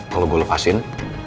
kalau gue lepasin